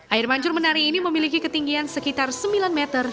air mancur menari ini memiliki ketinggian sekitar sembilan meter